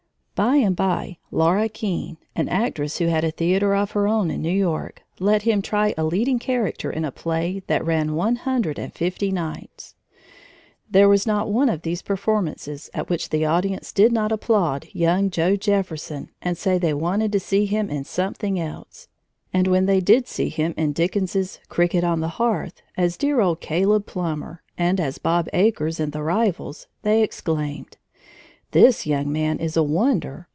By and by Laura Keene, an actress who had a theater of her own in New York, let him try a leading character in a play that ran one hundred and fifty nights. There was not one of these performances at which the audience did not applaud young Joe Jefferson and say they wanted to see him in something else. And when they did see him in Dickens's Cricket on the Hearth, as dear old Caleb Plummer, and as Bob Acres in The Rivals, they exclaimed: "This young man is a wonder!